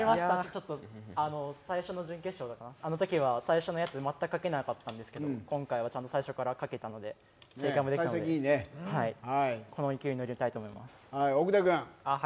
最初の準決勝、あのときは最初のやつ全く書けなかったんですけど今回は最初からちゃんと書けたのでこの勢いに乗りたいと思います。